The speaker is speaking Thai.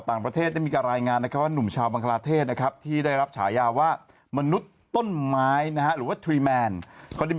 เอ้าไปเรื่องนี้ดีกว่ามนุษย์ต้นไม้คุณรู้จักไหม